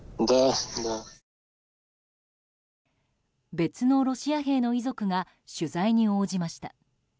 別のロシア兵の遺族が取材に応じました。